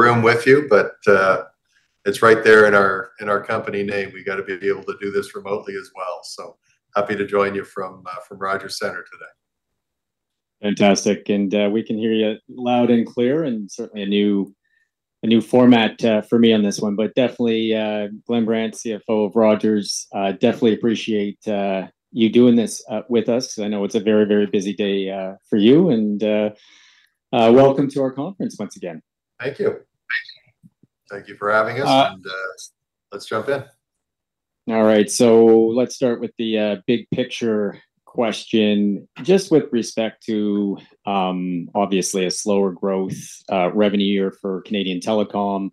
room with you, but it's right there in our company name. We've got to be able to do this remotely as well. Happy to join you from Rogers Centre today. Fantastic. We can hear you loud and clear, and certainly a new format for me on this one. Definitely, Glenn Brandt, CFO of Rogers, definitely appreciate you doing this with us. I know it's a very busy day for you. Welcome to our conference once again. Thank you. Thank you for having us, and let's jump in. All right, let's start with the big picture question, just with respect to, obviously, a slower growth revenue year for Canadian Telecom.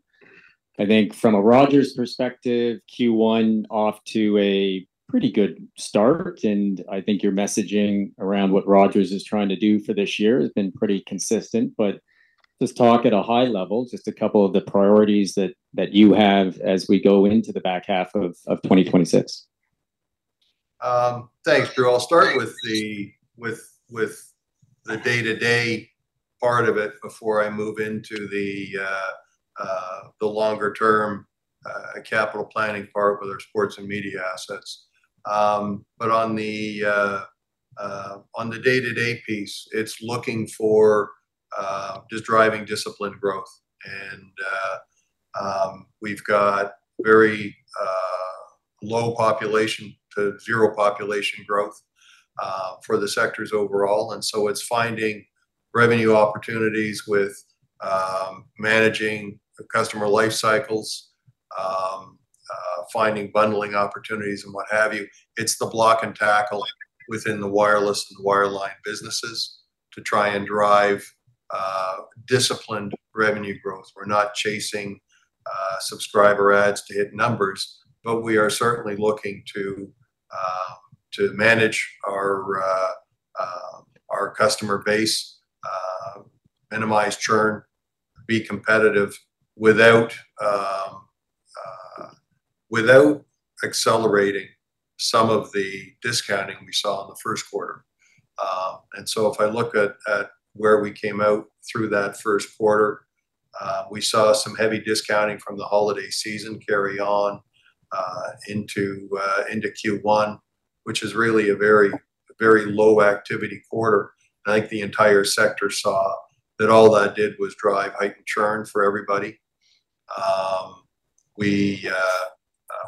I think from a Rogers perspective, Q1 off to a pretty good start, and I think your messaging around what Rogers is trying to do for this year has been pretty consistent. Just talk at a high level, just a couple of the priorities that you have as we go into the back half of 2026. Thanks, Drew. I'll start with the day-to-day part of it before I move into the longer term capital planning part with our sports and media assets. On the day-to-day piece, it's looking for just driving disciplined growth. We've got very low population to zero population growth for the sectors overall, it's finding revenue opportunities with managing the customer life cycles, finding bundling opportunities and what have you. It's the block-and-tackle within the wireless and wireline businesses to try and drive disciplined revenue growth. We're not chasing subscriber adds to hit numbers, but we are certainly looking to manage our customer base, minimize churn, be competitive without accelerating some of the discounting we saw in the first quarter. If I look at where we came out through that first quarter, we saw some heavy discounting from the holiday season carry on into Q1, which is really a very low activity quarter. I think the entire sector saw that all that did was drive heightened churn for everybody.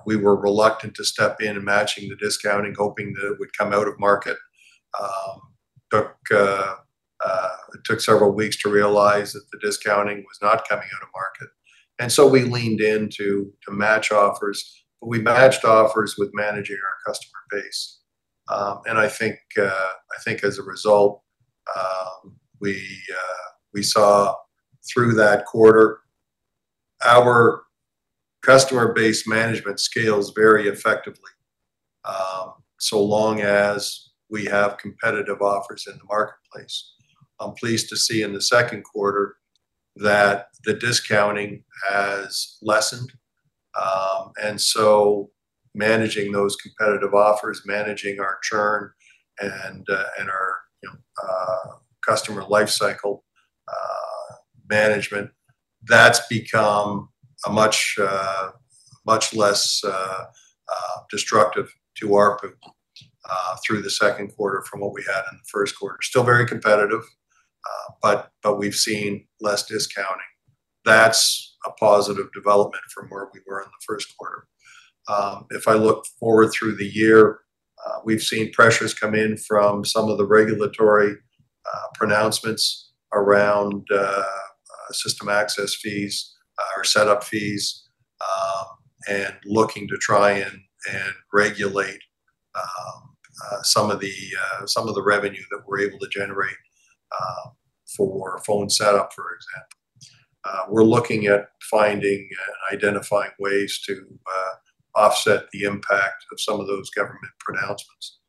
We were reluctant to step in and matching the discounting, hoping that it would come out of market. It took several weeks to realize that the discounting was not coming out of market. We leaned in to match offers, but we matched offers with managing our customer base. I think as a result, we saw through that quarter our customer base management scales very effectively, so long as we have competitive offers in the marketplace. I'm pleased to see in the second quarter that the discounting has lessened. Managing those competitive offers, managing our churn and our customer life cycle management, that's become much less destructive to ARPU through the second quarter from what we had in the first quarter. Still very competitive, but we've seen less discounting. That's a positive development from where we were in the first quarter. If I look forward through the year, we've seen pressures come in from some of the regulatory pronouncements around system access fees or setup fees, and looking to try and regulate some of the revenue that we're able to generate for phone setup, for example. We're looking at finding and identifying ways to offset the impact of some of those government pronouncements.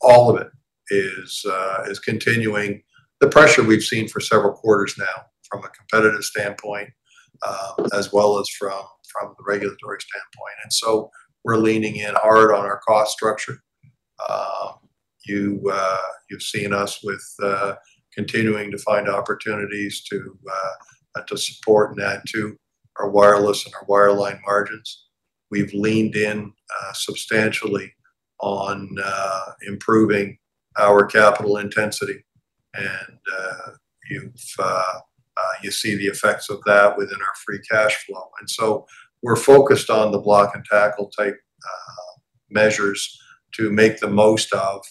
All of it is continuing the pressure we've seen for several quarters now from a competitive standpoint, as well as from the regulatory standpoint. We're leaning in hard on our cost structure. You've seen us with continuing to find opportunities to support and add to our wireless and our wireline margins. We've leaned in substantially on improving our capital intensity, and you see the effects of that within our free cash flow. We're focused on the block-and-tackle type measures to make the most of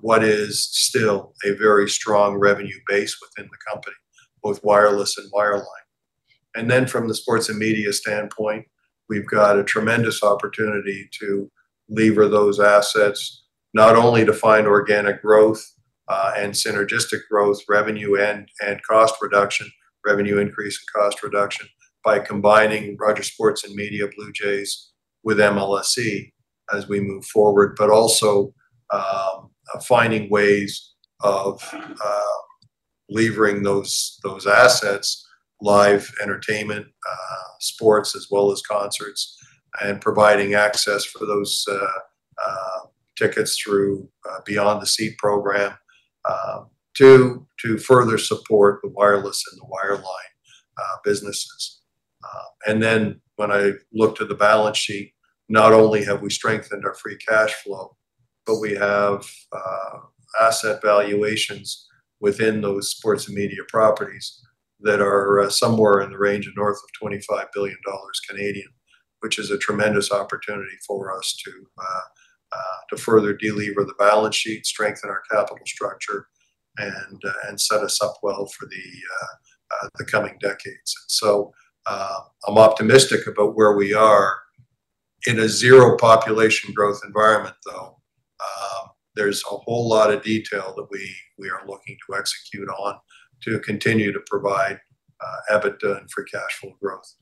what is still a very strong revenue base within the company, both wireless and wireline. From the sports and media standpoint, we've got a tremendous opportunity to lever those assets, not only to find organic growth and synergistic growth revenue and cost reduction, revenue increase and cost reduction by combining Rogers Sports & Media Blue Jays with MLSE as we move forward. Also finding ways of levering those assets, live entertainment, sports, as well as concerts, and providing access for those tickets through Beyond the Seat program to further support the wireless and the wireline businesses. When I look to the balance sheet, not only have we strengthened our free cash flow, but we have asset valuations within those sports and media properties that are somewhere in the range of north of 25 billion Canadian dollars, which is a tremendous opportunity for us to further delever the balance sheet, strengthen our capital structure, and set us up well for the coming decades. I'm optimistic about where we are. In a zero population growth environment, though, there's a whole lot of detail that we are looking to execute on to continue to provide EBITDA and free cash flow growth.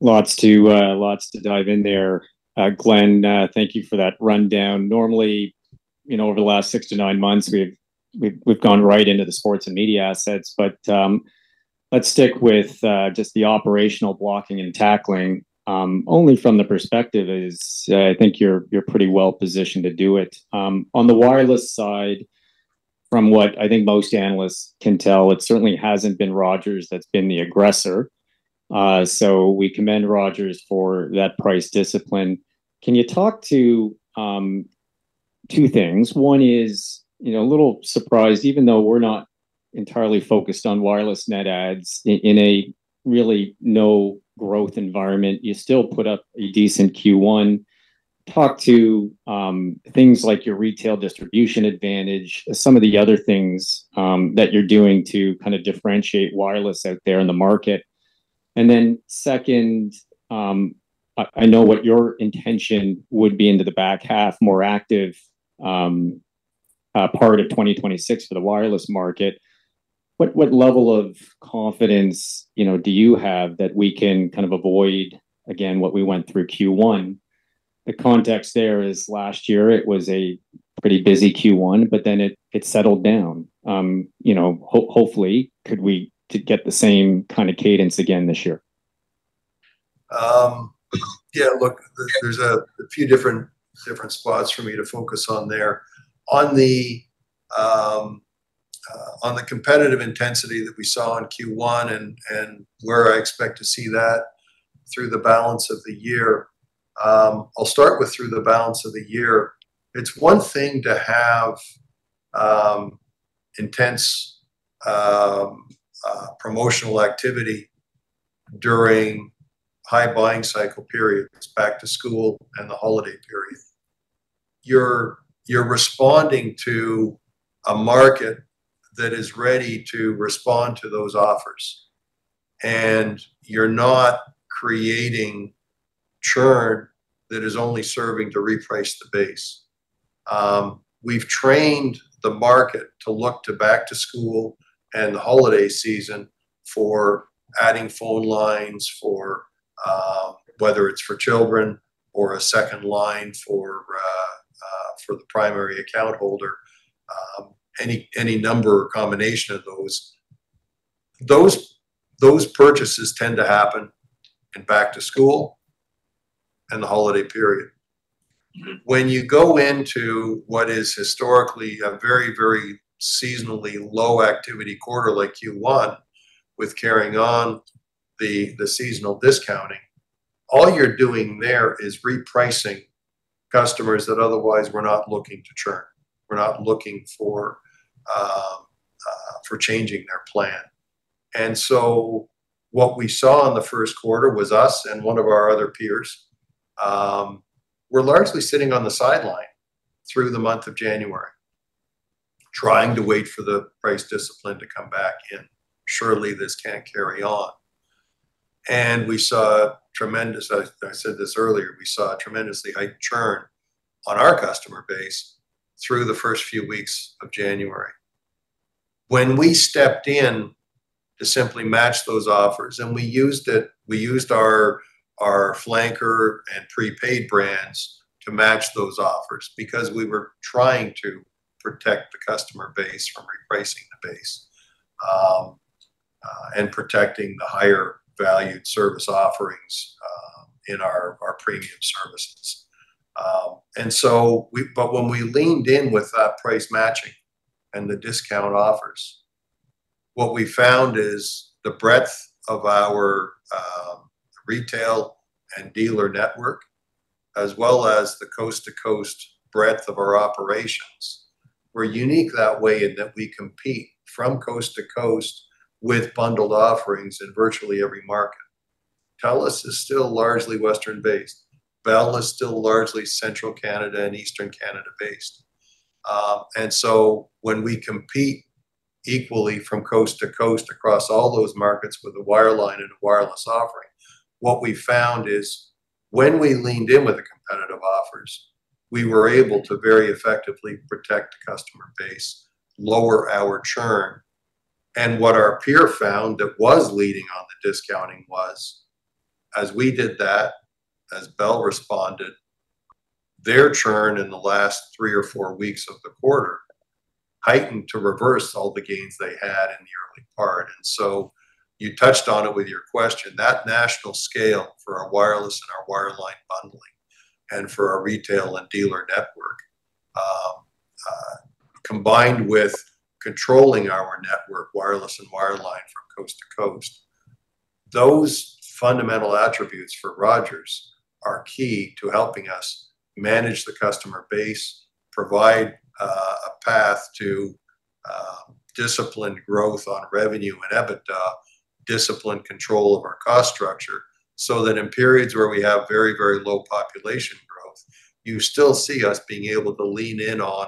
Lots to dive in there, Glenn. Thank you for that rundown. Normally, over the last six to nine months, we've gone right into the sports and media assets, but let's stick with just the operational blocking and tackling, only from the perspective is, I think you're pretty well positioned to do it. On the wireless side, from what I think most analysts can tell, it certainly hasn't been Rogers that's been the aggressor. We commend Rogers for that price discipline. Can you talk to two things? One is, a little surprised, even though we're not entirely focused on wireless net adds in a really no growth environment, you still put up a decent Q1. Talk to things like your retail distribution advantage, some of the other things that you're doing to differentiate wireless out there in the market. Second, I know what your intention would be into the back half, more active part of 2026 for the wireless market. What level of confidence do you have that we can avoid, again, what we went through Q1? The context there is last year it was a pretty busy Q1, but then it settled down. Hopefully, could we get the same kind of cadence again this year? There's a few different spots for me to focus on there. On the competitive intensity that we saw in Q1 and where I expect to see that through the balance of the year. I'll start with through the balance of the year. It's one thing to have intense promotional activity during high buying cycle periods, back to school and the holiday period. You're responding to a market that is ready to respond to those offers, and you're not creating churn that is only serving to reprice the base. We've trained the market to look to back to school and the holiday season for adding phone lines, whether it's for children or a second line for the primary account holder, any number or combination of those. Those purchases tend to happen in back to school and the holiday period. When you go into what is historically a very seasonally low activity quarter like Q1 with carrying on the seasonal discounting, all you're doing there is repricing customers that otherwise were not looking to churn, were not looking for changing their plan. What we saw in the first quarter was us and one of our other peers, were largely sitting on the sideline through the month of January, trying to wait for the price discipline to come back and surely this can't carry on. We saw tremendous, I said this earlier, we saw a tremendously high churn on our customer base through the first few weeks of January. When we stepped in to simply match those offers and we used our flanker and prepaid brands to match those offers because we were trying to protect the customer base from repricing the base, and protecting the higher valued service offerings in our premium services. When we leaned in with that price matching and the discount offers, what we found is the breadth of our retail and dealer network, as well as the coast-to-coast breadth of our operations. We're unique that way in that we compete from coast to coast with bundled offerings in virtually every market. Telus is still largely western based. Bell is still largely central Canada and eastern Canada based. When we compete equally from coast to coast across all those markets with a wireline and a wireless offering, what we found is when we leaned in with the competitive offers, we were able to very effectively protect the customer base, lower our churn. What our peer found that was leading on the discounting was, as we did that, as Bell responded, their churn in the last three or four weeks of the quarter heightened to reverse all the gains they had in the early part. You touched on it with your question, that national scale for our wireless and our wireline bundling and for our retail and dealer network, combined with controlling our network, wireless and wireline from coast to coast, those fundamental attributes for Rogers are key to helping us manage the customer base, provide a path to disciplined growth on revenue and EBITDA, disciplined control of our cost structure, so that in periods where we have very low population growth, you still see us being able to lean in on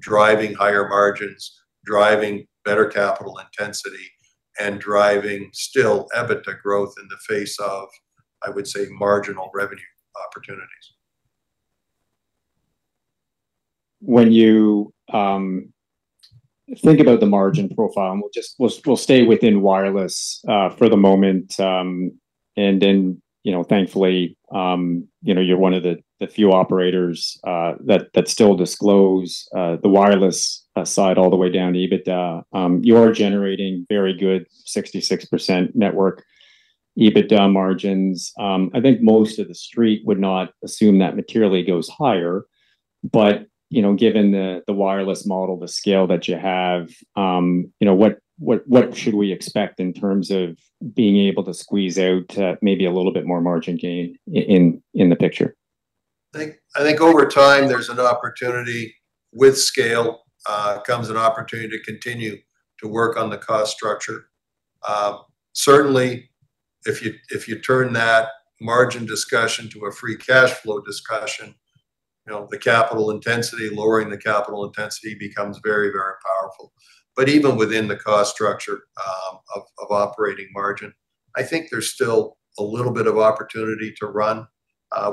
driving higher margins, driving better capital intensity, and driving still EBITDA growth in the face of, I would say, marginal revenue opportunities. We'll stay within wireless for the moment. Thankfully, you're one of the few operators that still disclose the wireless side all the way down to EBITDA. You are generating very good 66% network EBITDA margins. I think most of the Street would not assume that materially goes higher. Given the wireless model, the scale that you have, what should we expect in terms of being able to squeeze out maybe a little bit more margin gain in the picture? I think over time, with scale, comes an opportunity to continue to work on the cost structure. Certainly, if you turn that margin discussion to a free cash flow discussion, lowering the capital intensity becomes very powerful. Even within the cost structure of operating margin, I think there's still a little bit of opportunity to run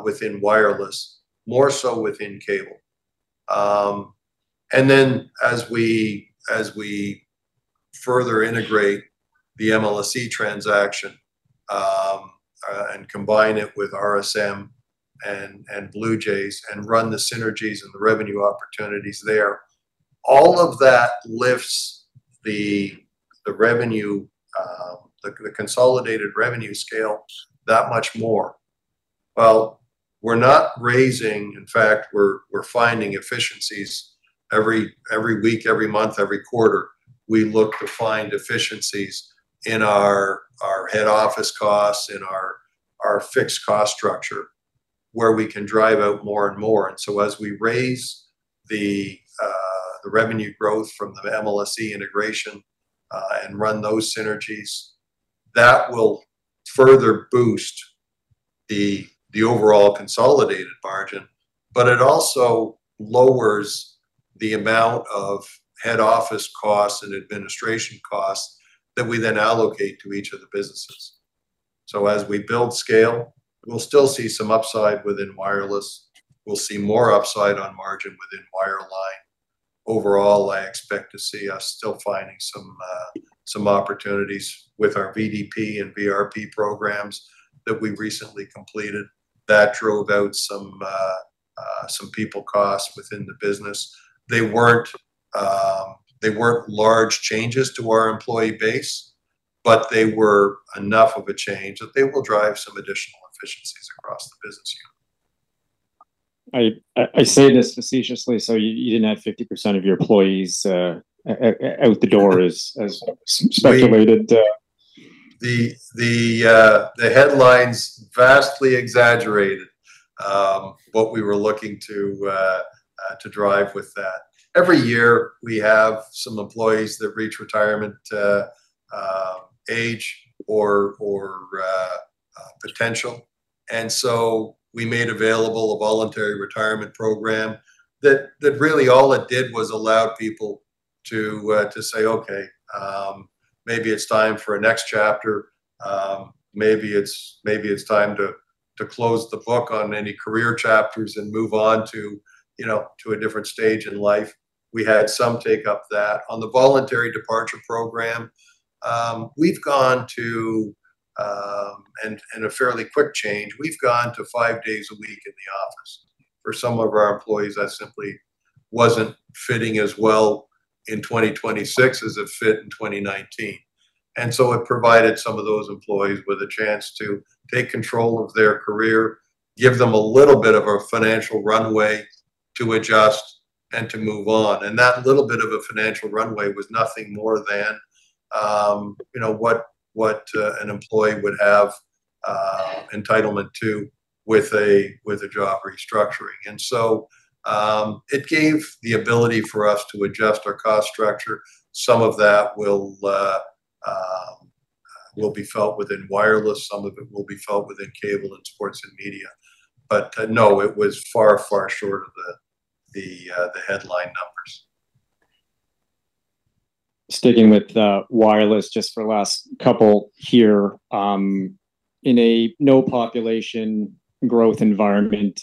within wireless, more so within cable. As we further integrate the MLSE transaction, combine it with RSM and Blue Jays and run the synergies and the revenue opportunities there, all of that lifts the consolidated revenue scale that much more. While we're not raising, in fact, we're finding efficiencies every week, every month, every quarter. We look to find efficiencies in our head office costs, in our fixed cost structure, where we can drive out more and more. As we raise the revenue growth from the MLSE integration, and run those synergies, that will further boost the overall consolidated margin. It also lowers the amount of head office costs and administration costs that we then allocate to each of the businesses. As we build scale, we'll still see some upside within wireless. We'll see more upside on margin within wireline. Overall, I expect to see us still finding some opportunities with our VDP and BRP programs that we recently completed. That drove out some people costs within the business. They weren't large changes to our employee base, but they were enough of a change that they will drive some additional efficiencies across the business unit. I say this facetiously. You didn't have 50% of your employees out the door as speculated. The headlines vastly exaggerated what we were looking to drive with that. Every year we have some employees that reach retirement age or potential. So we made available a Voluntary Departure Program that really all it did was allow people to say, "Okay, maybe it's time for a next chapter. Maybe it's time to close the book on any career chapters and move on to a different stage in life." We had some take up that. On the Voluntary Departure Program, a fairly quick change, we've gone to 5 days a week in the office. For some of our employees, that simply wasn't fitting as well in 2026 as it fit in 2019. So it provided some of those employees with a chance to take control of their career, give them a little bit of a financial runway to adjust and to move on. That little bit of a financial runway was nothing more than what an employee would have entitlement to with a job restructuring. So, it gave the ability for us to adjust our cost structure. Some of that will be felt within wireless, some of it will be felt within cable and Sports & Media. No, it was far short of the headline numbers. Sticking with wireless just for the last couple here. In a no population growth environment,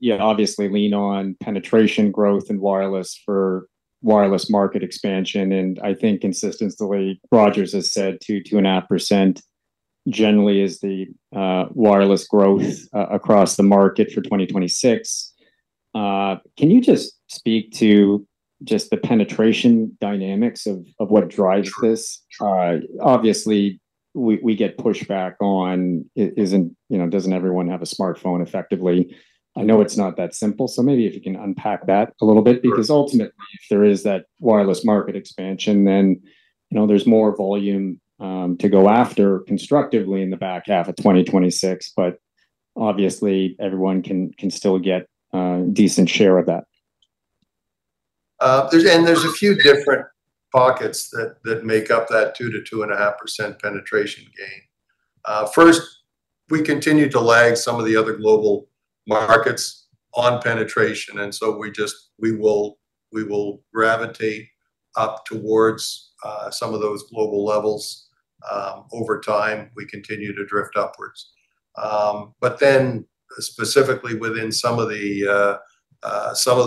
you obviously lean on penetration growth and wireless for wireless market expansion, I think consistently Rogers has said 2.5% generally is the wireless growth across the market for 2026. Can you just speak to just the penetration dynamics of what drives this? Obviously, we get pushback on, doesn't everyone have a smartphone effectively? I know it's not that simple, so maybe if you can unpack that a little bit. Ultimately, if there is that wireless market expansion, there's more volume to go after constructively in the back half of 2026. Obviously everyone can still get a decent share of that. There's a few different pockets that make up that 2%-2.5% penetration gain. First, we continue to lag some of the other global markets on penetration, so we will gravitate up towards some of those global levels over time. We continue to drift upwards. Specifically within some of the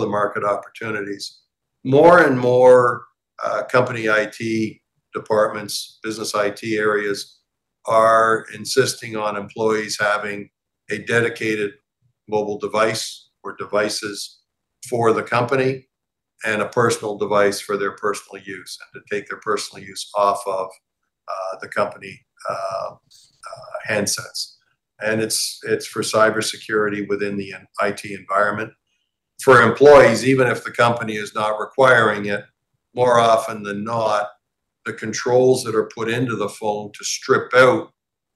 market opportunities, more and more company IT departments, business IT areas, are insisting on employees having a dedicated mobile device or devices for the company and a personal device for their personal use, and to take their personal use off of the company handsets. It's for cybersecurity within the IT environment. For employees, even if the company is not requiring it, more often than not, the controls that are put into the phone to strip out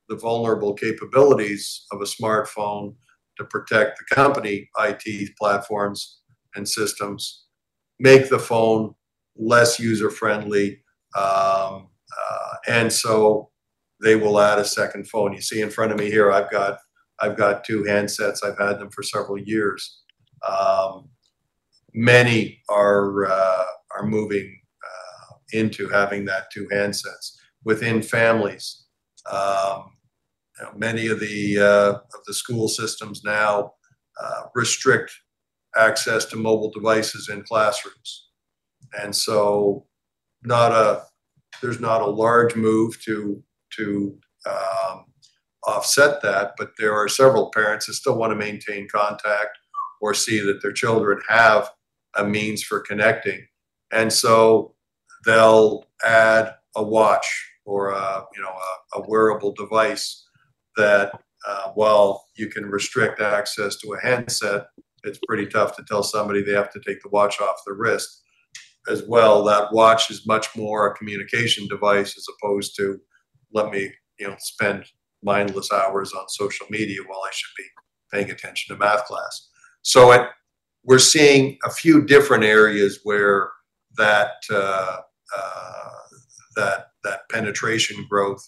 the vulnerable capabilities of a smartphone to protect the company IT platforms and systems make the phone less user-friendly. They will add a second phone. You see in front of me here, I've got two handsets. I've had them for several years. Many are moving into having that two handsets within families. Many of the school systems now restrict access to mobile devices in classrooms. There's not a large move to offset that, but there are several parents that still want to maintain contact or see that their children have a means for connecting. They'll add a watch or a wearable device that, while you can restrict access to a handset, it's pretty tough to tell somebody they have to take the watch off their wrist. As well, that watch is much more a communication device as opposed to, let me spend mindless hours on social media while I should be paying attention to math class. We're seeing a few different areas where that penetration growth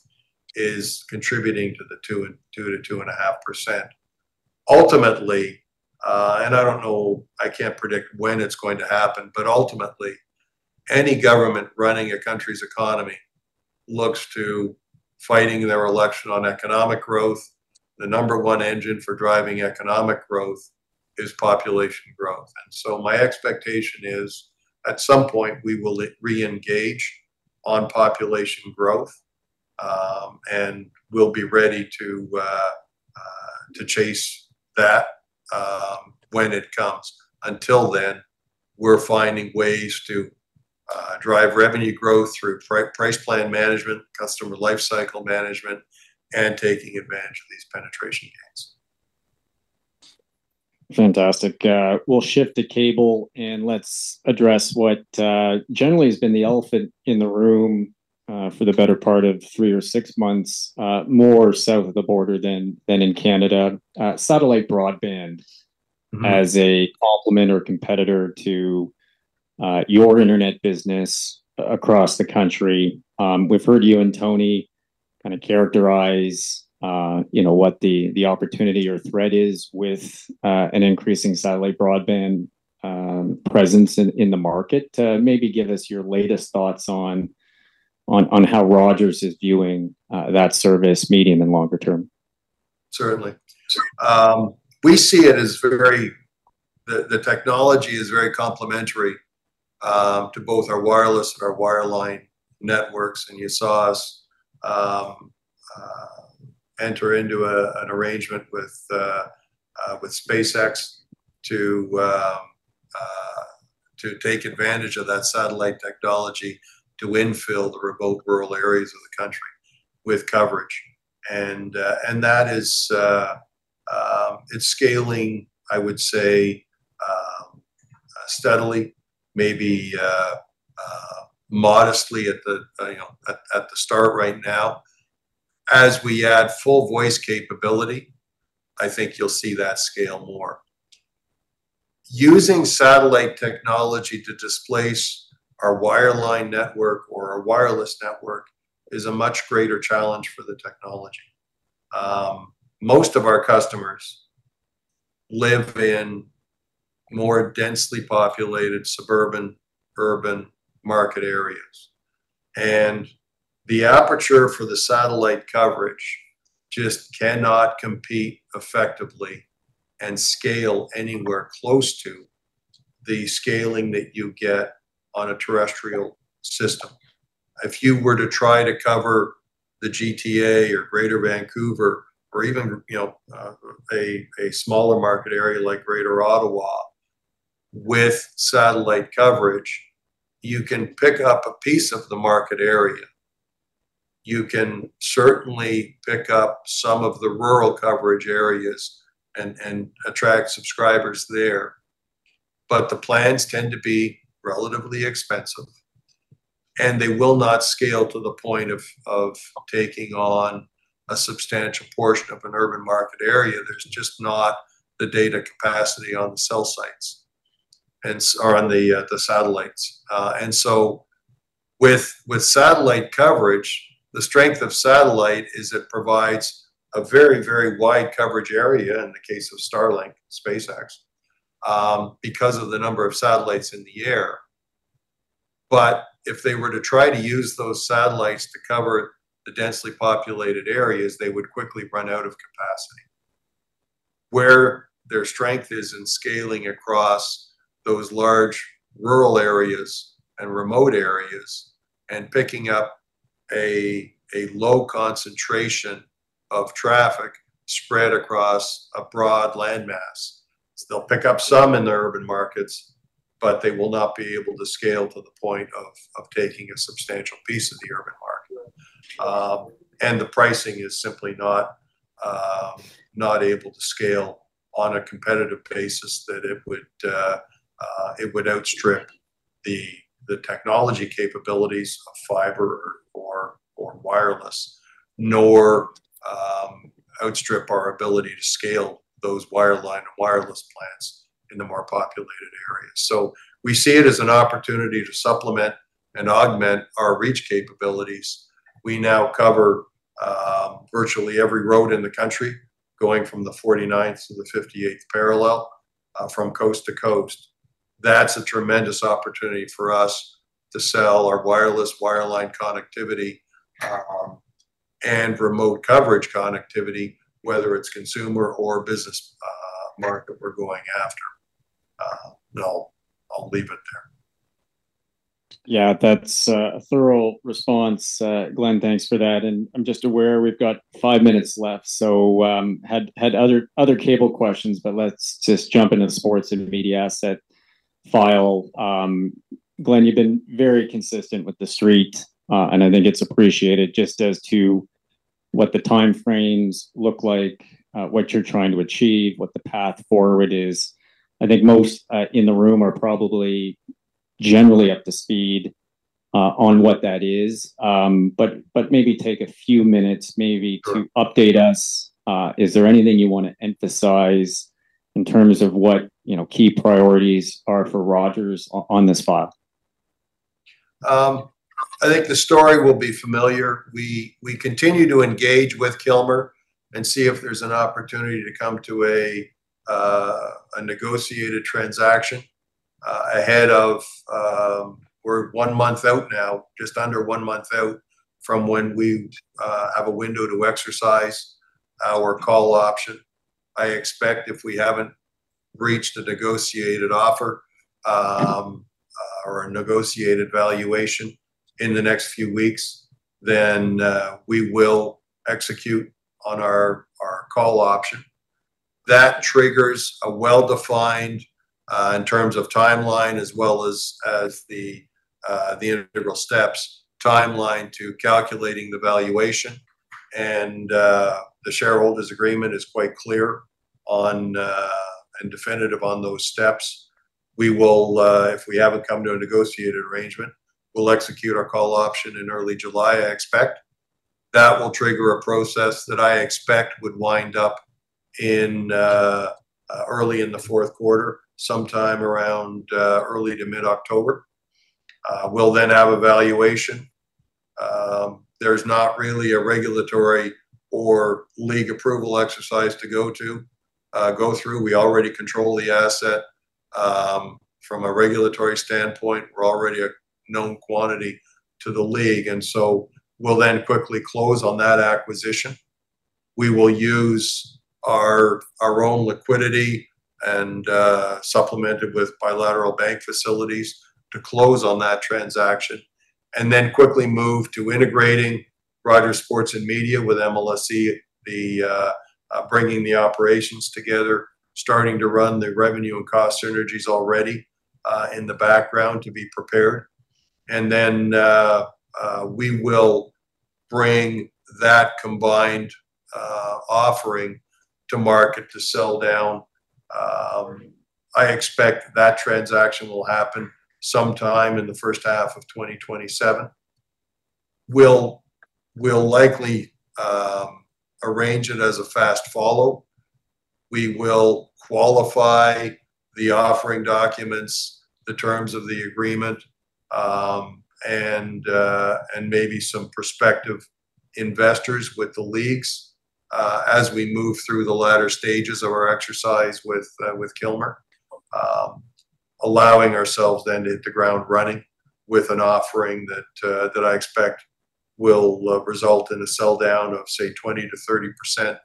is contributing to the 2%-2.5%. Ultimately, and I can't predict when it's going to happen, but ultimately, any government running a country's economy looks to fighting their election on economic growth. The number one engine for driving economic growth is population growth. My expectation is, at some point, we will reengage on population growth, and we'll be ready to chase that when it comes. Until then, we're finding ways to drive revenue growth through price plan management, customer lifecycle management, and taking advantage of these penetration gains. Fantastic. We'll shift the cable. Let's address what generally has been the elephant in the room for the better part of three or six months, more south of the border than in Canada. Satellite broadband as a complement or competitor to your internet business across the country. We've heard you and Tony kind of characterize what the opportunity or threat is with an increasing satellite broadband presence in the market. Maybe give us your latest thoughts on how Rogers is viewing that service medium and longer term. Certainly. You saw us enter into an arrangement with SpaceX to take advantage of that satellite technology to infill the remote rural areas of the country with coverage. That is scaling, I would say, steadily, maybe modestly at the start right now. As we add full voice capability, I think you'll see that scale more. Using satellite technology to displace our wireline network or our wireless network is a much greater challenge for the technology. Most of our customers live in more densely populated suburban, urban market areas. The aperture for the satellite coverage just cannot compete effectively and scale anywhere close to the scaling that you get on a terrestrial system. If you were to try to cover the GTA or Greater Vancouver, or even a smaller market area like greater Ottawa, with satellite coverage, you can pick up a piece of the market area. You can certainly pick up some of the rural coverage areas and attract subscribers there. The plans tend to be relatively expensive, and they will not scale to the point of taking on a substantial portion of an urban market area. There's just not the data capacity on the cell sites or on the satellites. With satellite coverage, the strength of satellite is it provides a very, very wide coverage area in the case of Starlink, SpaceX, because of the number of satellites in the air. If they were to try to use those satellites to cover the densely populated areas, they would quickly run out of capacity. Where their strength is in scaling across those large rural areas and remote areas and picking up a low concentration of traffic spread across a broad land mass. They'll pick up some in the urban markets, but they will not be able to scale to the point of taking a substantial piece of the urban market. The pricing is simply not able to scale on a competitive basis that it would outstrip the technology capabilities of fiber or wireless, nor outstrip our ability to scale those wireline and wireless plans in the more populated areas. We see it as an opportunity to supplement and augment our reach capabilities. We now cover virtually every road in the country, going from the 49th to the 58th parallel, from coast to coast. That's a tremendous opportunity for us to sell our wireless wireline connectivity and remote coverage connectivity, whether it's consumer or business market we're going after. I'll leave it there. Yeah, that's a thorough response, Glenn. Thanks for that. I'm just aware we've got five minutes left, had other cable questions, let's just jump into the sports and media asset file. Glenn, you've been very consistent with the street, and I think it's appreciated just as to what the time frames look like, what you're trying to achieve, what the path forward is. I think most in the room are probably generally up to speed on what that is. Maybe take a few minutes maybe to update us. Is there anything you want to emphasize in terms of what key priorities are for Rogers on this file? I think the story will be familiar. We continue to engage with Kilmer Group and see if there's an opportunity to come to a negotiated transaction. We're one month out now, just under one month out from when we have a window to exercise our call option. I expect if we haven't reached a negotiated offer or a negotiated valuation in the next few weeks, we will execute on our call option. That triggers a well-defined, in terms of timeline as well as the integral steps timeline to calculating the valuation, the shareholders' agreement is quite clear and definitive on those steps. If we haven't come to a negotiated arrangement, we'll execute our call option in early July, I expect. That will trigger a process that I expect would wind up early in the fourth quarter, sometime around early to mid-October. We'll have a valuation. There's not really a regulatory or league approval exercise to go through. We already control the asset. From a regulatory standpoint, we're already a known quantity to the league, we'll quickly close on that acquisition. We will use our own liquidity and supplement it with bilateral bank facilities to close on that transaction, quickly move to integrating Rogers Sports & Media with MLSE, bringing the operations together, starting to run the revenue and cost synergies already in the background to be prepared. We will bring that combined offering to market to sell down. I expect that transaction will happen sometime in the first half of 2027. We'll likely arrange it as a fast follow. We will qualify the offering documents, the terms of the agreement, and maybe some prospective investors with the leagues, as we move through the latter stages of our exercise with Kilmer Group, allowing ourselves to hit the ground running with an offering that I expect will result in a sell-down of, say, 20%-30%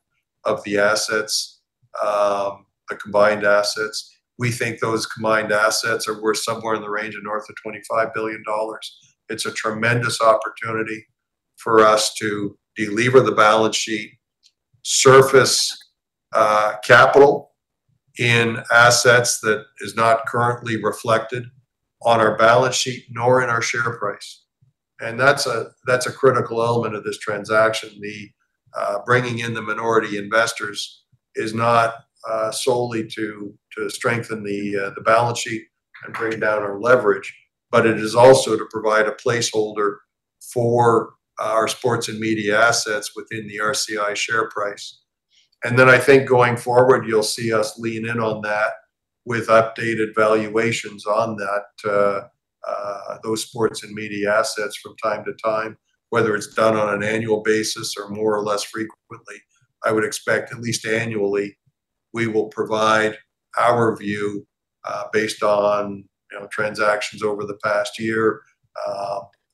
of the assets, the combined assets. We think those combined assets are worth somewhere in the range of north of 25 billion dollars. It's a tremendous opportunity for us to delever the balance sheet, surface capital in assets that is not currently reflected on our balance sheet, nor in our share price. That's a critical element of this transaction. The bringing in the minority investors is not solely to strengthen the balance sheet and bring down our leverage, but it is also to provide a placeholder for our sports and media assets within the RCI share price. I think going forward, you'll see us lean in on that with updated valuations on those sports and media assets from time to time, whether it's done on an annual basis or more or less frequently. I would expect at least annually, we will provide our view, based on transactions over the past year,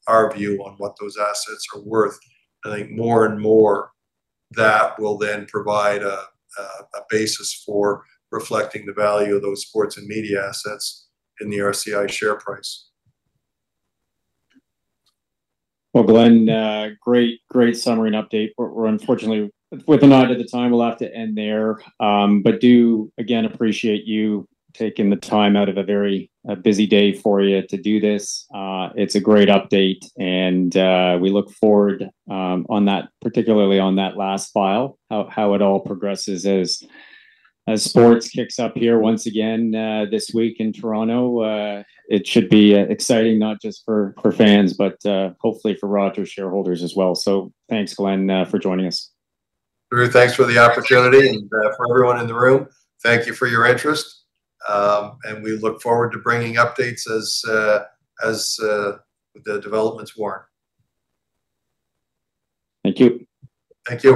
our view on what those assets are worth. I think more and more that will then provide a basis for reflecting the value of those sports and media assets in the RCI share price. Well, Glenn, great summary and update. We're unfortunately with an eye to the time, we'll have to end there. Do again appreciate you taking the time out of a very busy day for you to do this. It's a great update and we look forward, particularly on that last file, how it all progresses as sports kicks up here once again, this week in Toronto. It should be exciting not just for fans, but hopefully for Rogers shareholders as well. Thanks, Glenn, for joining us. Drew, thanks for the opportunity and for everyone in the room, thank you for your interest. We look forward to bringing updates as the developments warrant. Thank you. Thank you.